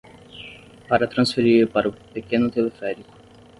Para transferir para o pequeno teleférico